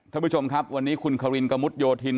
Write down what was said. ท่านผู้ชมครับวันนี้คุณควินกระมุดโยธิน